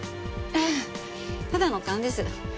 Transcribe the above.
いやただの勘です。